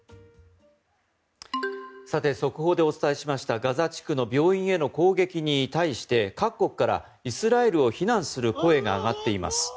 さて速報でお伝えしましたガザ地区の病院への攻撃に対して各国からイスラエルを非難する声が上がっています。